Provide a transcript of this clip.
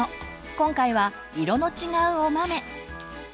今回は色の違うお豆。